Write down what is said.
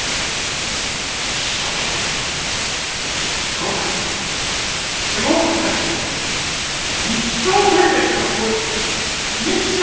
すごくすごく大変だけど一生懸命に学校に来て一生懸命。